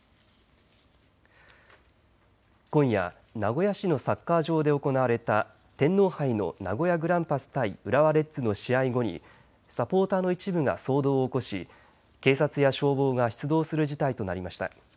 今夜、名古屋市のサッカー場で行われた天皇杯の名古屋グランパス対浦和レッズの試合後にサポーターの一部が騒動を起こし警察や消防が出動する事態となりました。